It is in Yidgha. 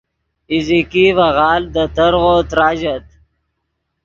ایزیکی ڤے غالڤ دے ترغو تراژت